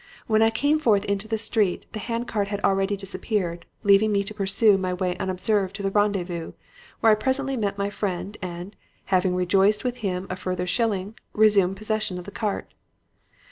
When I came forth into the street, the hand cart had already disappeared, leaving me to pursue my way unobserved to the rendezvous, where I presently met my friend, and, having rejoiced him with a further shilling, resumed possession of the cart.